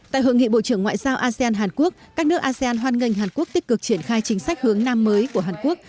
tại hội nghị bộ trưởng ngoại giao asean hàn quốc các nước asean hoan nghênh hàn quốc tích cực triển khai chính sách hướng nam mới của hàn quốc